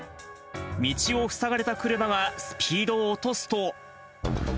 道を塞がれた車がスピードを落とすと。